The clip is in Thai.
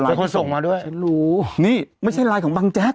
เป็นคนส่งมาด้วยฉันรู้นี่ไม่ใช่ลายของบังแจ็ค